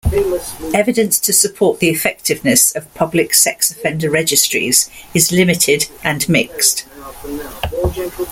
Evidence to support the effectiveness of public sex offender registries is limited and mixed.